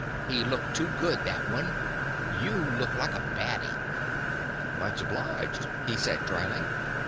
He looked too good, that one. You looked like a baddie." "Much obliged," he said, dryly.